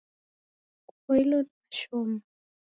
Kupoilo ni mashomo